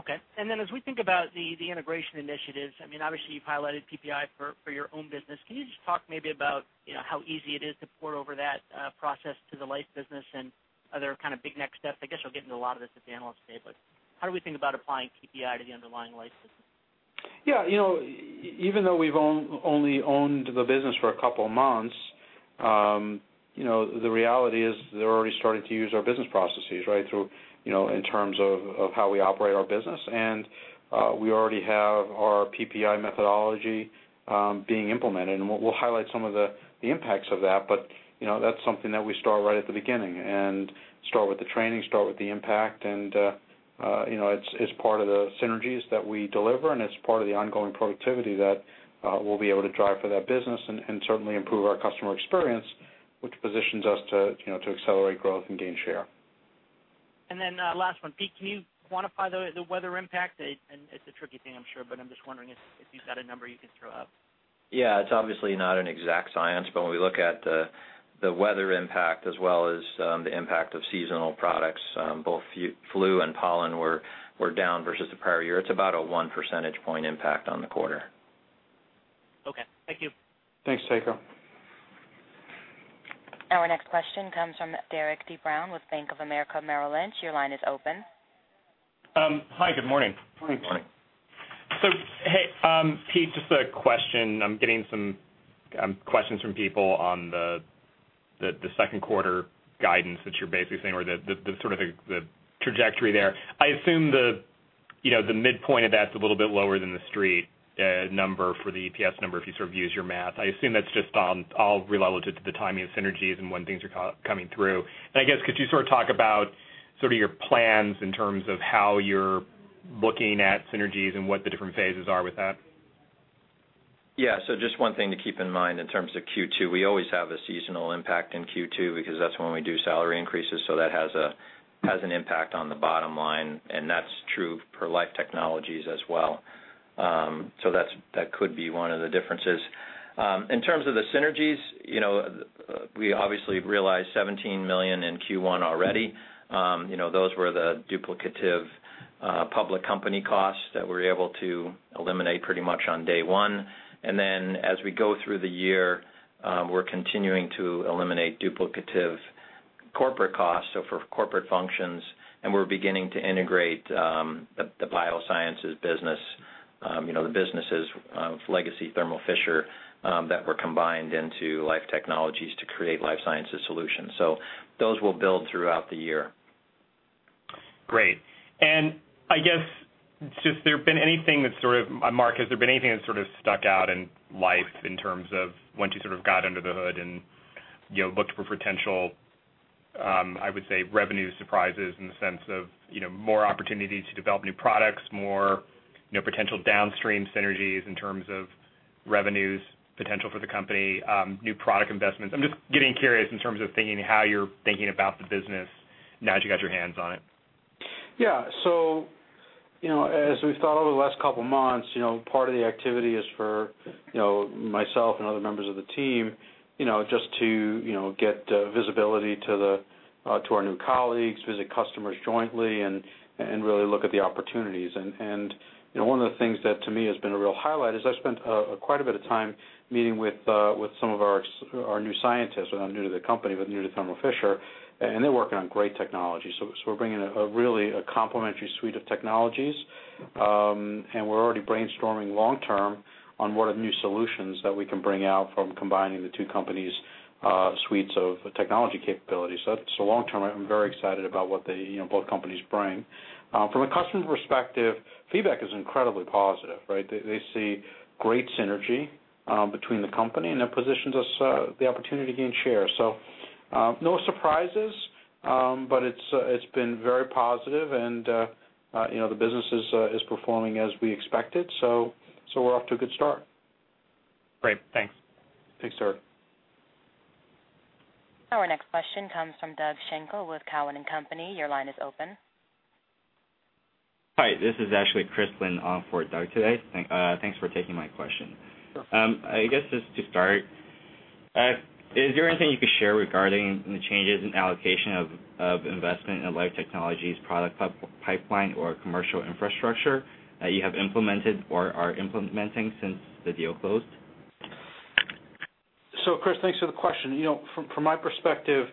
Okay. As we think about the integration initiatives, obviously you've highlighted PPI for your own business. Can you just talk maybe about how easy it is to port over that process to the Life business and other kind of big next steps? I guess you'll get into a lot of this at the Analyst Day, but how do we think about applying PPI to the underlying Life system? Yeah, even though we've only owned the business for a couple of months, the reality is they're already starting to use our business processes, right, in terms of how we operate our business, and we already have our PPI methodology being implemented, and we'll highlight some of the impacts of that. That's something that we start right at the beginning and start with the training, start with the impact, and it's part of the synergies that we deliver, and it's part of the ongoing productivity that we'll be able to drive for that business and certainly improve our customer experience, which positions us to accelerate growth and gain share. Last one, Pete, can you quantify the weather impact? It's a tricky thing, I'm sure, I'm just wondering if you've got a number you could throw out. Yeah, it's obviously not an exact science, when we look at the weather impact, as well as the impact of seasonal products, both flu and pollen were down versus the prior year. It's about a one percentage point impact on the quarter. Okay, thank you. Thanks, Tycho. Our next question comes from Derik De Bruin with Bank of America Merrill Lynch. Your line is open. Hi, good morning. Morning. Hey, Pete, just a question. I'm getting some questions from people on the second quarter guidance that you're basically saying, or the trajectory there. I assume the midpoint of that's a little bit lower than the street number for the EPS number, if you use your math. I assume that's just all relative to the timing of synergies and when things are coming through. I guess, could you talk about your plans in terms of how you're looking at synergies and what the different phases are with that? Yeah. Just one thing to keep in mind in terms of Q2, we always have a seasonal impact in Q2 because that's when we do salary increases, so that has an impact on the bottom line, and that's true for Life Technologies as well. That could be one of the differences. In terms of the synergies, we obviously realized $17 million in Q1 already. Those were the duplicative public company costs that we were able to eliminate pretty much on day one. As we go through the year, we're continuing to eliminate duplicative corporate costs, so for corporate functions, and we're beginning to integrate the biosciences business, the businesses of legacy Thermo Fisher, that were combined into Life Technologies to create Life Sciences Solutions. Those will build throughout the year. Great. I guess, has there been anything that stuck out in Life in terms of once you got under the hood and looked for potential, I would say, revenue surprises in the sense of more opportunities to develop new products, more potential downstream synergies in terms of revenues potential for the company, new product investments? I'm just getting curious in terms of thinking how you're thinking about the business now that you've got your hands on it. Yeah. As we've thought over the last couple of months, part of the activity is for myself and other members of the team just to get visibility to our new colleagues, visit customers jointly, and really look at the opportunities. One of the things that, to me, has been a real highlight is I've spent quite a bit of time meeting with some of our new scientists. Well, not new to the company, but new to Thermo Fisher, and they're working on great technology. We're bringing really a complementary suite of technologies. We're already brainstorming long term on what are the new solutions that we can bring out from combining the two companies' suites of technology capabilities. That's the long term. I'm very excited about what both companies bring. From a customer's perspective, feedback is incredibly positive, right? They see great synergy between the company, and it positions us the opportunity to gain share. No surprises, but it's been very positive and the business is performing as we expected, so we're off to a good start. Great. Thanks. Thanks, Derik. Our next question comes from Doug Schenkel with Cowen and Company. Your line is open. Hi, this is actually Chris Lin for Doug today. Thanks for taking my question. Sure. I guess just to start, is there anything you could share regarding the changes in allocation of investment in Life Technologies product pipeline or commercial infrastructure that you have implemented or are implementing since the deal closed? Chris, thanks for the question. From my perspective,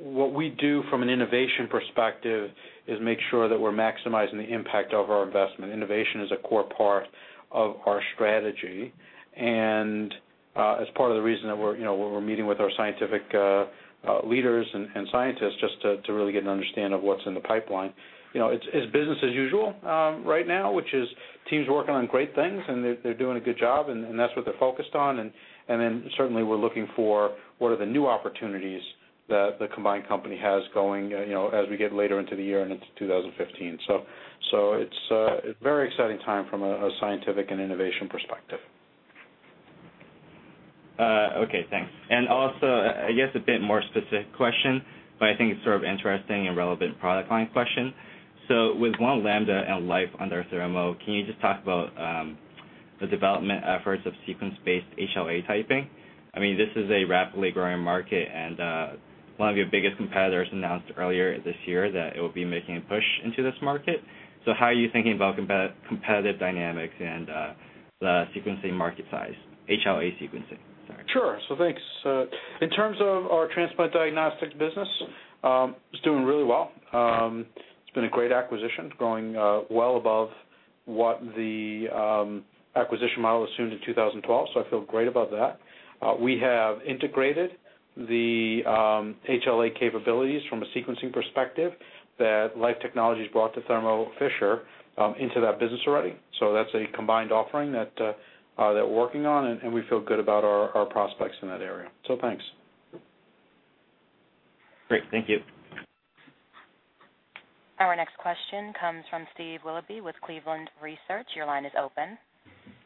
what we do from an innovation perspective is make sure that we're maximizing the impact of our investment. Innovation is a core part of our strategy, as part of the reason that we're meeting with our scientific leaders and scientists just to really get an understanding of what's in the pipeline. It's business as usual right now, which is teams working on great things, they're doing a good job, and that's what they're focused on. Certainly, we're looking for what are the new opportunities that the combined company has going as we get later into the year and into 2015. It's a very exciting time from a scientific and innovation perspective. Okay, thanks. Also, I guess a bit more specific question, I think it's sort of interesting and relevant product line question. With One Lambda and Life under Thermo, can you just talk about the development efforts of sequence-based HLA typing? I mean, this is a rapidly growing market, one of your biggest competitors announced earlier this year that it would be making a push into this market. How are you thinking about competitive dynamics and the sequencing market size? HLA sequencing, sorry. Sure. Thanks. In terms of our transplant diagnostics business, it's doing really well. It's been a great acquisition. It's growing well above what the acquisition model assumed in 2012, I feel great about that. We have integrated the HLA capabilities from a sequencing perspective that Life Technologies brought to Thermo Fisher into that business already. That's a combined offering that we're working on, we feel good about our prospects in that area. Thanks. Great. Thank you. Question comes from Steve Willoughby with Cleveland Research. Your line is open.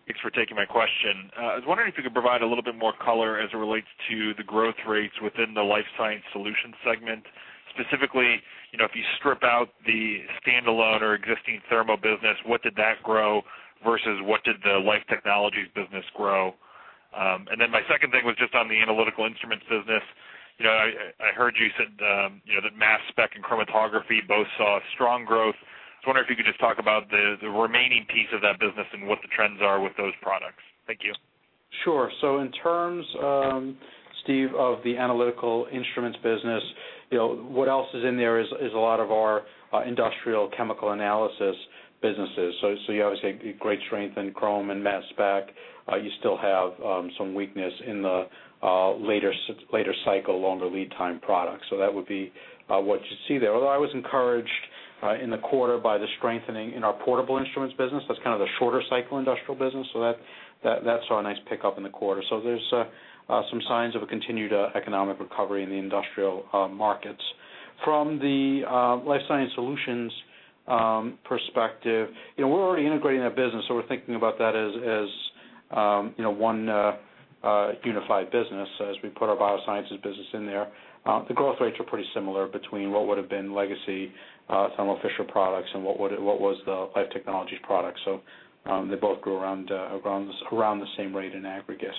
Thanks for taking my question. I was wondering if you could provide a little bit more color as it relates to the growth rates within the Life Sciences Solutions segment. Specifically, if you strip out the standalone or existing Thermo business, what did that grow versus what did the Life Technologies business grow? My second thing was just on the Analytical Instruments business. I heard you said that mass spec and chromatography both saw strong growth. I was wondering if you could just talk about the remaining piece of that business and what the trends are with those products. Thank you. Sure. In terms, Steve, of the Analytical Instruments business, what else is in there is a lot of our industrial chemical analysis businesses. You obviously have great strength in chrome and mass spec. You still have some weakness in the later cycle, longer lead time products. That would be what you see there. Although I was encouraged in the quarter by the strengthening in our portable instruments business, that's kind of the shorter cycle industrial business. That saw a nice pickup in the quarter. There's some signs of a continued economic recovery in the industrial markets. From the Life Sciences Solutions perspective, we're already integrating that business, so we're thinking about that as one unified business as we put our biosciences business in there. The growth rates are pretty similar between what would have been legacy Thermo Fisher products and what was the Life Technologies products. They both grew around the same rate in aggregate.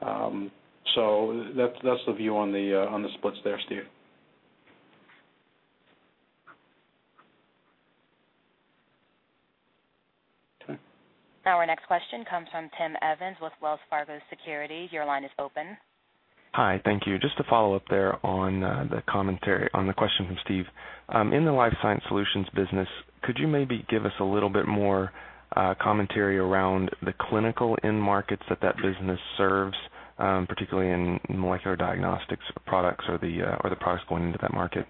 That's the view on the splits there, Steve. Our next question comes from Tim Evans with Wells Fargo Securities. Your line is open. Hi. Thank you. Just to follow up there on the question from Steve. In the Life Sciences Solutions business, could you maybe give us a little bit more commentary around the clinical end markets that business serves, particularly in molecular diagnostics products or the products going into that market?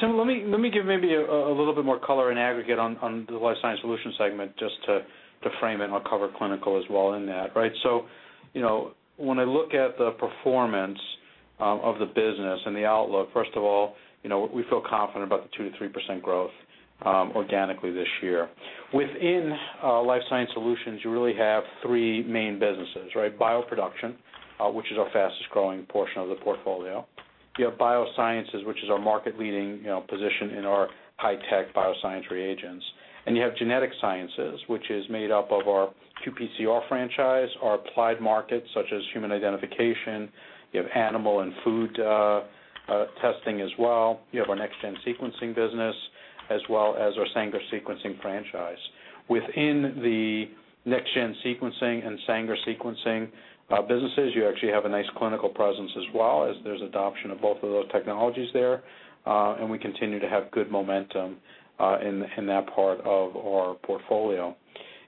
Tim, let me give maybe a little bit more color in aggregate on the Life Sciences Solutions segment, just to frame it, and I'll cover clinical as well in that. When I look at the performance of the business and the outlook, first of all, we feel confident about the 2%-3% growth organically this year. Within Life Sciences Solutions, you really have three main businesses. Bioproduction, which is our fastest growing portion of the portfolio. You have Biosciences, which is our market leading position in our high-tech bioscience reagents. And you have Genetic Sciences, which is made up of our qPCR franchise, our applied markets, such as human identification, you have animal and food testing as well. You have our next-gen sequencing business, as well as our Sanger sequencing franchise. Within the next-gen sequencing and Sanger sequencing businesses, you actually have a nice clinical presence as well, as there's adoption of both of those technologies there, and we continue to have good momentum in that part of our portfolio.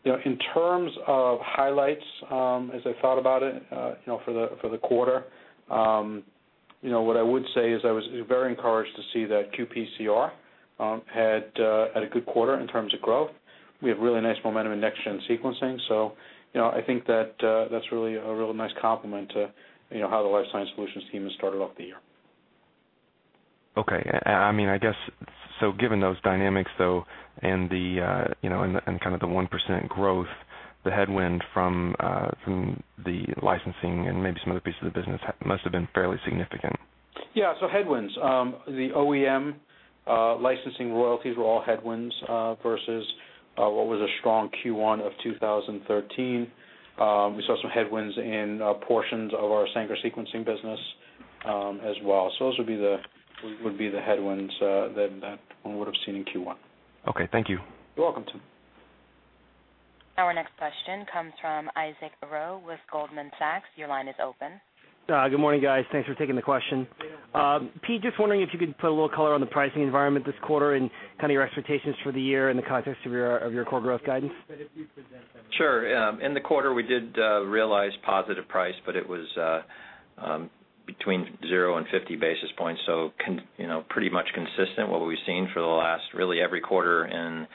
In terms of highlights, as I thought about it for the quarter, what I would say is I was very encouraged to see that qPCR had a good quarter in terms of growth. I think that's a really nice complement to how the Life Sciences Solutions team has started off the year. Given those dynamics, though, and the 1% growth, the headwind from the licensing and maybe some other pieces of the business must have been fairly significant. Yeah. Headwinds. The OEM licensing royalties were all headwinds versus what was a strong Q1 of 2013. We saw some headwinds in portions of our Sanger sequencing business as well. Those would be the headwinds that one would've seen in Q1. Okay. Thank you. You're welcome, Tim. Our next question comes from Isaac Ro with Goldman Sachs. Your line is open. Good morning, guys. Thanks for taking the question. Pete, just wondering if you could put a little color on the pricing environment this quarter and kind of your expectations for the year in the context of your core growth guidance. Sure. In the quarter, we did realize positive price, but it was between zero and 50 basis points, so pretty much consistent what we've seen for the last, really every quarter in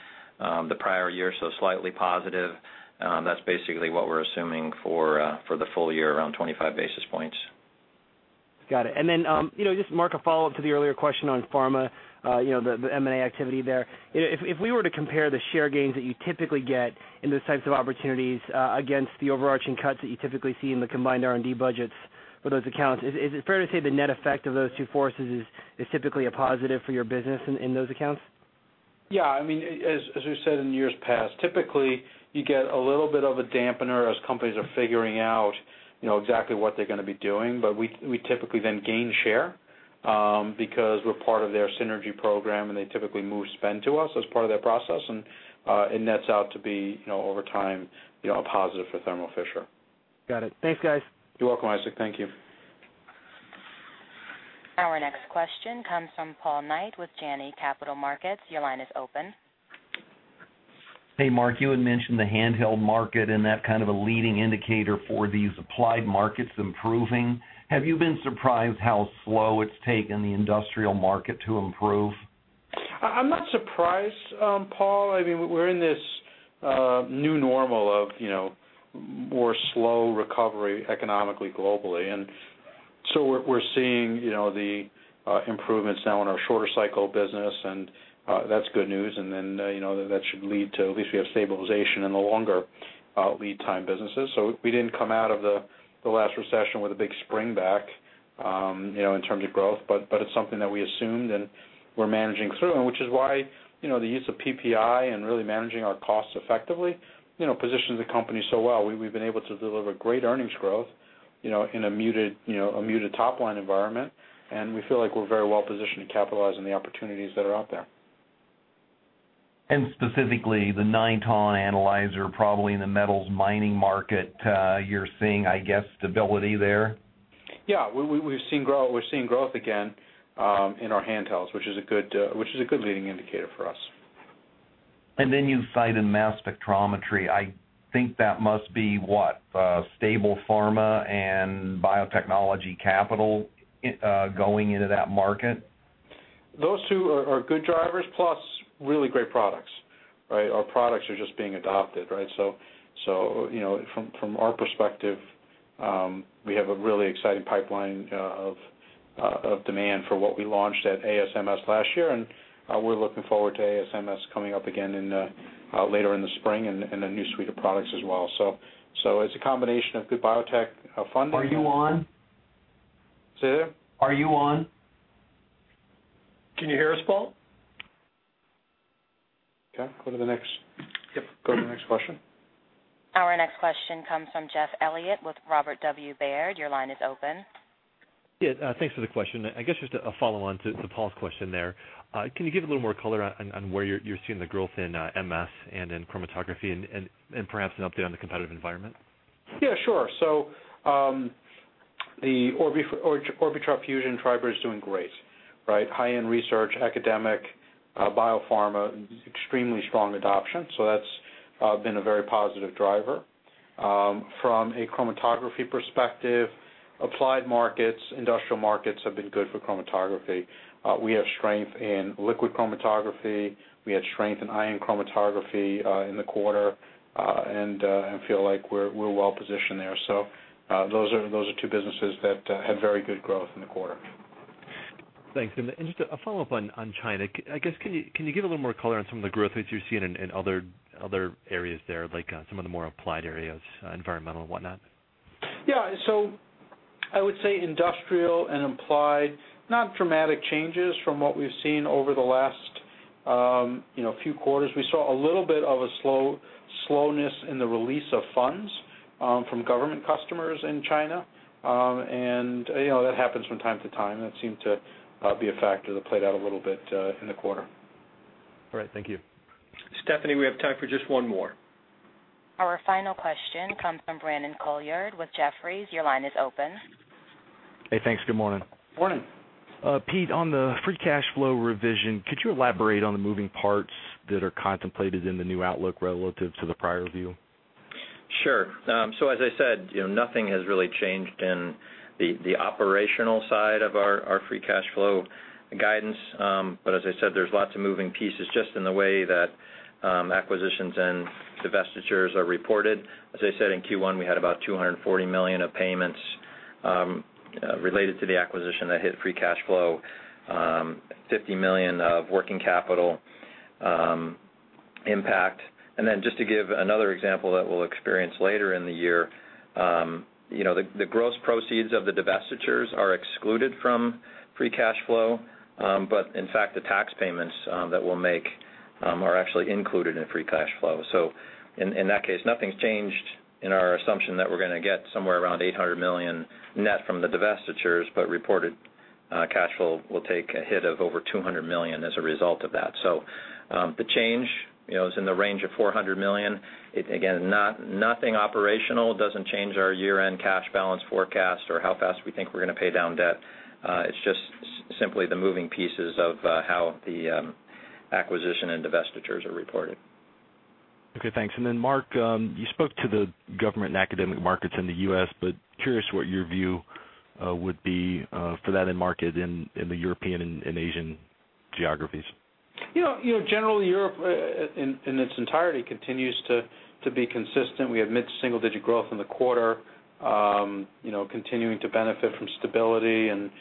the prior year, so slightly positive. That's basically what we're assuming for the full year, around 25 basis points. Got it. Just Marc, a follow-up to the earlier question on pharma, the M&A activity there. If we were to compare the share gains that you typically get in those types of opportunities against the overarching cuts that you typically see in the combined R&D budgets for those accounts, is it fair to say the net effect of those two forces is typically a positive for your business in those accounts? Yeah. As we've said in years past, typically you get a little bit of a dampener as companies are figuring out exactly what they're going to be doing. We typically then gain share, because we're part of their synergy program, and they typically move spend to us as part of that process, and it nets out to be, over time, a positive for Thermo Fisher. Got it. Thanks, guys. You're welcome, Isaac. Thank you. Our next question comes from Paul Knight with Janney Montgomery Scott. Your line is open. Hey, Mark, you had mentioned the handheld market and that kind of a leading indicator for these applied markets improving. Have you been surprised how slow it's taken the industrial market to improve? I'm not surprised, Paul. We're in this new normal of more slow recovery economically globally. We're seeing the improvements now in our shorter cycle business, and that's good news. That should lead to, at least we have stabilization in the longer lead time businesses. We didn't come out of the last recession with a big spring back in terms of growth. It's something that we assumed and we're managing through, which is why, the use of PPI and really managing our costs effectively positions the company so well. We've been able to deliver great earnings growth in a muted top-line environment. We feel like we're very well positioned to capitalize on the opportunities that are out there. Specifically, the Niton analyzer, probably in the metals mining market, you're seeing, I guess, stability there? We're seeing growth again, in our handhelds, which is a good leading indicator for us. You cited mass spectrometry. I think that must be, what? Stable pharma and biotechnology capital going into that market? Those two are good drivers, plus really great products. Right? Our products are just being adopted. From our perspective, we have a really exciting pipeline of demand for what we launched at ASMS last year, and we're looking forward to ASMS coming up again later in the spring, and a new suite of products as well. It's a combination of good biotech funding. Are you on? Say that? Are you on? Can you hear us, Paul? Okay, go to the next. Yep. Go to the next question. Our next question comes from Jeff Elliott with Robert W. Baird. Your line is open. Yeah, thanks for the question. I guess just a follow-on to Paul's question there. Can you give a little more color on where you're seeing the growth in MS and in chromatography and perhaps an update on the competitive environment? Yeah, sure. The Orbitrap Fusion Tribrid is doing great. Right? High-end research, academic, biopharma, extremely strong adoption. That's been a very positive driver. From a chromatography perspective, applied markets, industrial markets have been good for chromatography. We have strength in liquid chromatography. We had strength in ion chromatography in the quarter, and feel like we're well positioned there. Those are two businesses that had very good growth in the quarter. Thanks. Just a follow-up on China, I guess, can you give a little more color on some of the growth rates you're seeing in other areas there, like some of the more applied areas, environmental and whatnot? Yeah. I would say industrial and applied, not dramatic changes from what we've seen over the last few quarters. We saw a little bit of a slowness in the release of funds from government customers in China. That happens from time to time. That seemed to be a factor that played out a little bit in the quarter. All right. Thank you. Stephanie, we have time for just one more. Our final question comes from Brandon Couillard with Jefferies. Your line is open. Hey, thanks. Good morning. Morning. Pete, on the free cash flow revision, could you elaborate on the moving parts that are contemplated in the new outlook relative to the prior view? As I said, nothing has really changed in the operational side of our free cash flow guidance. As I said, there's lots of moving pieces just in the way that acquisitions and divestitures are reported. As I said, in Q1, we had about $240 million of payments related to the acquisition that hit free cash flow, $50 million of working capital impact. Just to give another example that we'll experience later in the year, the gross proceeds of the divestitures are excluded from free cash flow. In fact, the tax payments that we'll make are actually included in free cash flow. In that case, nothing's changed in our assumption that we're going to get somewhere around $800 million net from the divestitures, but reported cash flow will take a hit of over $200 million as a result of that. The change is in the range of $400 million. Again, nothing operational, doesn't change our year-end cash balance forecast or how fast we think we're going to pay down debt. It's just simply the moving pieces of how the acquisition and divestitures are reported. Thanks. Mark, you spoke to the government and academic markets in the U.S., curious what your view would be for that end market in the European and Asian geographies. Generally, Europe in its entirety continues to be consistent. We had mid-single-digit growth in the quarter, continuing to benefit from stability and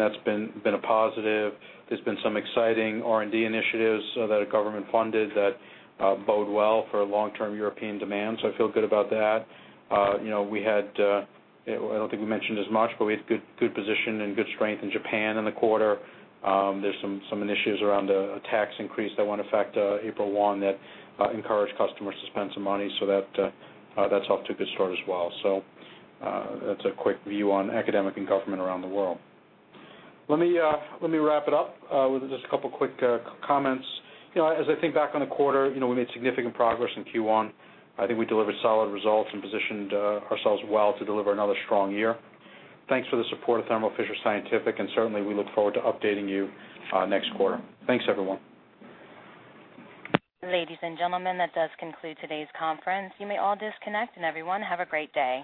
that's been a positive. There's been some exciting R&D initiatives that are government-funded that bode well for long-term European demand. I feel good about that. I don't think we mentioned as much, we had good position and good strength in Japan in the quarter. There's some initiatives around a tax increase that went effect April 1 that encouraged customers to spend some money. That's off to a good start as well. That's a quick view on academic and government around the world. Let me wrap it up with just a couple quick comments. As I think back on the quarter, we made significant progress in Q1. I think we delivered solid results and positioned ourselves well to deliver another strong year. Thanks for the support of Thermo Fisher Scientific, certainly, we look forward to updating you next quarter. Thanks, everyone. Ladies and gentlemen, that does conclude today's conference. You may all disconnect, everyone, have a great day.